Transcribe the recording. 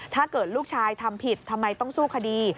ถ้าเกิดลูกชายทำผิดทำไมต้องสู้คดี